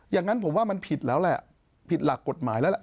อย่างนั้นผมว่ามันผิดแล้วแหละผิดหลักกฎหมายแล้วแหละ